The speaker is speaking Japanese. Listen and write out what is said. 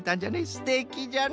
すてきじゃな！